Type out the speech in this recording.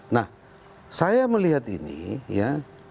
nah saya melihat ini ya